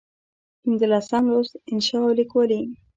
پنځلسم لوست: انشأ او لیکوالي